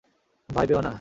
ভয় পেয় না।